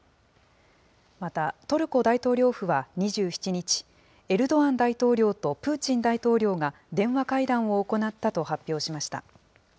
またトルコ大統領府は２７日、エルドアン大統領とプーチン大統領が電話会談を行ったと発表しました。